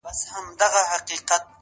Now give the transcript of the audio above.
دپښتنو ځوانانو ايډيال سپه سالار يې